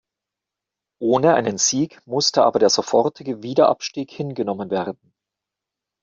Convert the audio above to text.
Ohne einen Sieg musste aber der sofortige Wiederabstieg hingenommen werden.